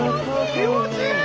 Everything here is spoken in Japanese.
気持ちいい。